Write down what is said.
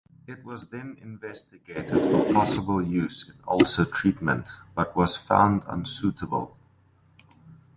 It was then investigated for possible use in ulcer treatment, but was found unsuitable.